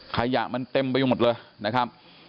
ขยะมันเต็มไปหมดเลยนะครับ